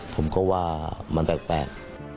ผมก็ว่ามันแปลก